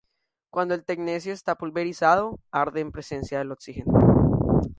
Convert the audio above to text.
Cuando el tecnecio está pulverizado, arde en presencia de oxígeno.